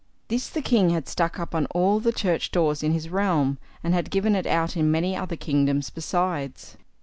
This the king had stuck up on all the church doors in his realm, and had given it out in many other kingdoms besides.